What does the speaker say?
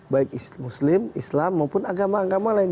baik muslim islam maupun agama agama lain